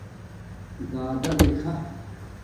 دادادکھ